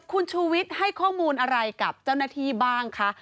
คุณชูวิทย์ให้ข้อมูลอะไรกับเจ้าหน้าที่บ้างคะ